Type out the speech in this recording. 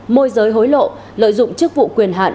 môi giới hối lộ lợi dụng chức vụ quyền hạn